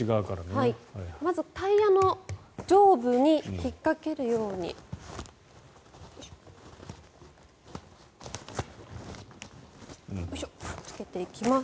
まず、タイヤの上部に引っかけるようにつけていきます。